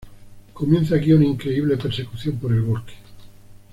Comienza aquí una increíble persecución por el bosque.